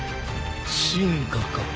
進化か。